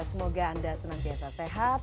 semoga anda senang biasa sehat